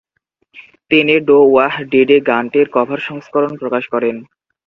তিনি "Do Wah Diddy" গানটির cover সংস্করণ প্রকাশ করেন।